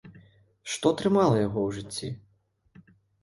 Што трымала яго ў жыцці?